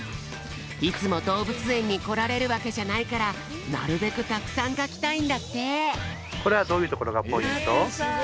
いつもどうぶつえんにこられるわけじゃないからなるべくたくさんかきたいんだって。